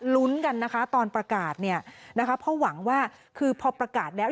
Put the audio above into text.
ลุ้นกันนะคะตอนประกาศเนี่ยนะคะเพราะหวังว่าคือพอประกาศแล้ว